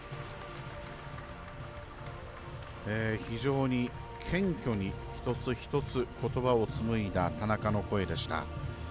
非常に謙虚に一つ一つことばを紡いだ田中の声でした。